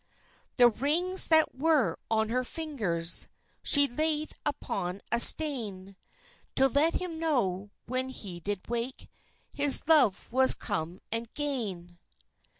The rings that were on her fingers, She laid upon a stane, To let him know, when he did wake, His love was come and gane.